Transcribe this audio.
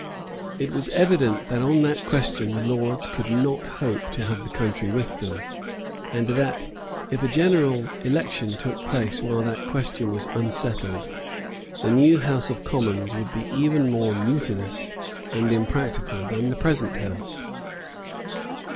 It was evident that on that question the Lords could not hope to have the country with them, and that, if a general election took place while that question was unsettled, the new House of Commons would be even more mutinous and impracticable than the present House.